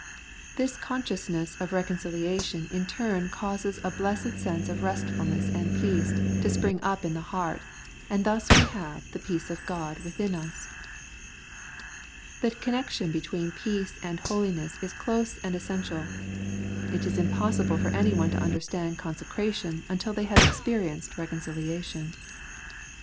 This consciousness of reconciliation in turn causes a blessed sense of restfulness and peace to spring up in the heart, and thus we have the peace of God within us. The connection between peace and holiness is close and essential. It is impossible for anyone to understand consecration until they have experienced reconciliation.